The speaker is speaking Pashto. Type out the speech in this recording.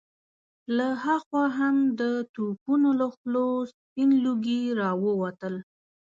له هاخوا هم د توپونو له خولو سپين لوګي را ووتل.